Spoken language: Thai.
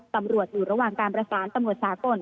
ตำรวจอยู่ระหว่างการประสานตำรวจสากล